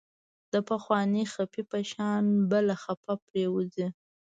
د پخوانۍ خپې په شان بله خپه پرېوځي.